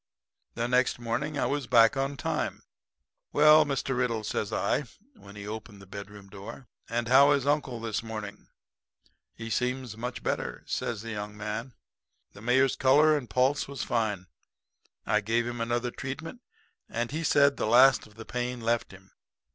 "The next morning I was back on time. 'Well, Mr. Riddle,' says I, when he opened the bedroom door, 'and how is uncle this morning?' "'He seems much better,' says the young man. "The mayor's color and pulse was fine. I gave him another treatment, and he said the last of the pain left him.